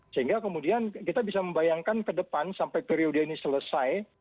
sehingga kemudian kita bisa membayangkan ke depan sampai periode ini selesai